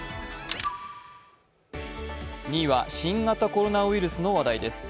２位は新型コロナウイルスの話題です。